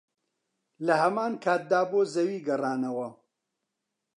لەهەمانکاتدا بۆ زەوی گەڕانەوە